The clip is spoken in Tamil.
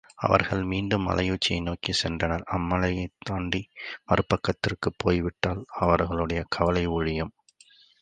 அவர்கள் மீண்டும் மலையுச்சியை நோக்கிச் சென்றனர் அம்மலையைத் தாண்டி மறுபக்கத்திற்குப் போய்விட்டால் அவர்களுடைய கவலை ஒழியும்.